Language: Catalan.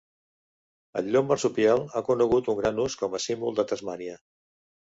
El llop marsupial ha conegut un gran ús com a símbol de Tasmània.